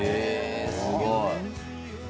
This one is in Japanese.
すごい。